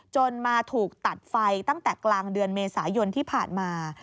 จนมาถูกตัดไฟตั้งแต่กลางเดือนเมษายนที่ผ่านมา